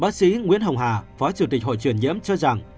bác sĩ nguyễn hồng hà phó chủ tịch hội truyền nhiễm cho rằng